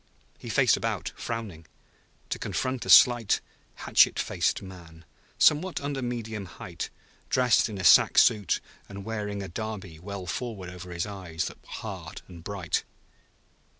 He faced about, frowning, to confront a slight, hatchet faced man, somewhat under medium height, dressed in a sack suit and wearing a derby well forward over eyes that were hard and bright.